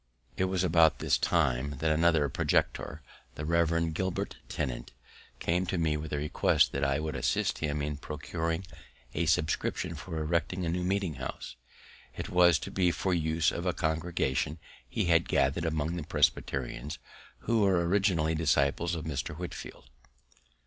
It was about this time that another projector, the Rev. Gilbert Tennent, came to me with a request that I would assist him in procuring a subscription for erecting a new meeting house. It was to be for the use of a congregation he had gathered among the Presbyterians, who were originally disciples of Mr. Whitefield.